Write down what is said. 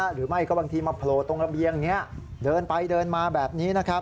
หรือไม่ก็บางทีมาโผล่ตรงระเบียงนี้เดินไปเดินมาแบบนี้